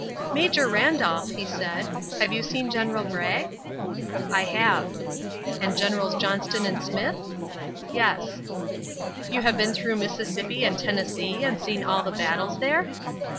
"Major Randolph," he said, "you have seen General Bragg?" "I have." "And Generals Johnston and Smith?" "Yes." "You have been through Mississippi and Tennessee and seen all the battles there?"